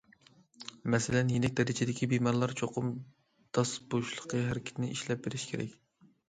مەسىلەن يېنىك دەرىجىدىكى بىمارلار چوقۇم داس بوشلۇقى ھەرىكىتىنى ئىشلەپ بېرىش كېرەك ئىكەن.